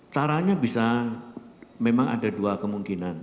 caranya bisa memang ada dua kemungkinan